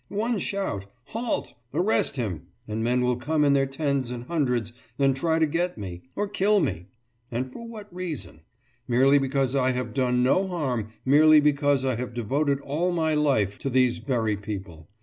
One shout Halt! arrest him! and men will come in their tens and hundreds and try to get me or kill me. And for what reason? Merely because I have done no harm, merely because I have devoted all my life to these very people.